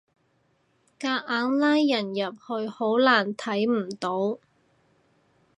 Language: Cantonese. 夾硬拉人入去好難睇唔到